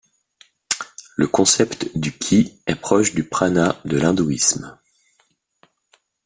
Le concept du qi est proche du prana de l'hindouisme.